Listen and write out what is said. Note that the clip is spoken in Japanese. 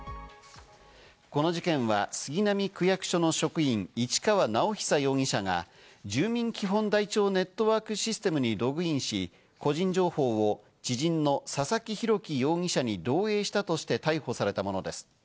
この事件は杉並区役所の職員・市川直央容疑者が住民基本台帳ネットワークシステムにログインし、個人情報を知人の佐々木洋樹容疑者に漏えいしたとして逮捕されたものです。